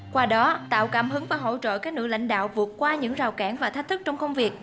qua đó tạo cảm hứng và hỗ trợ các nữ lãnh đạo vượt qua những rào cản và thách thức trong công việc